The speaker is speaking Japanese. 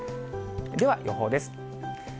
では、予報です。